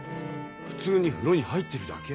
普通に風呂に入ってるだけ。